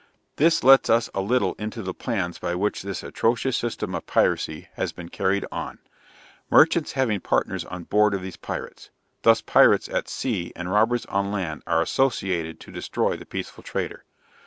This lets us a little into the plans by which this atrocious system of piracy has been carried on. Merchants having partners on board of these pirates! thus pirates at sea and robbers on land are associated to destroy the peaceful trader.